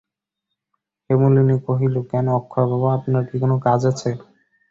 হেমনলিনী কহিল, কেন অক্ষয়বাবু, আপনার কি কোনো কাজ আছে?